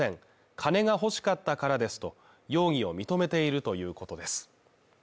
金が欲しかったからですと容疑を認めているということです。